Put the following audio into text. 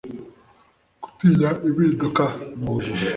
gutinya impinduka, n'ubujiji